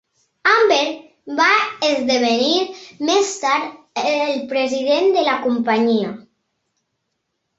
Hamber va esdevenir més tard el president de la companyia.